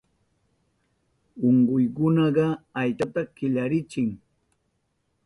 Unkuykunaka aychanta killarichin.